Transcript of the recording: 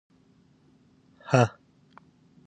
_هه!